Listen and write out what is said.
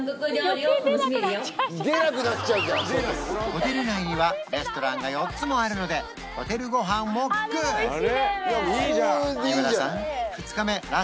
ホテル内にはレストランが４つもあるのでホテルご飯もグッド！